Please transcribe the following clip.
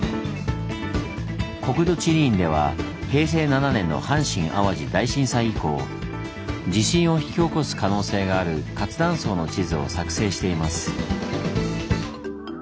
国土地理院では平成７年の阪神・淡路大震災以降地震を引き起こす可能性がある活断層の地図を作成しています。